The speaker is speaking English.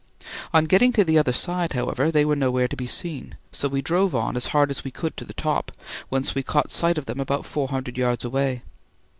On getting to the other side, however, they were nowhere to be seen, so we drove on as hard as we could to the top, whence we caught sight of them about four hundred yards away.